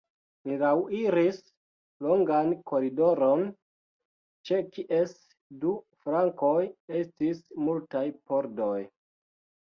Ni laŭiris longan koridoron, ĉe kies du flankoj estis multaj pordoj.